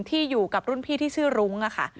ที่อยู่กับรุ่นพี่ที่ชื่อรุ้งค่ะ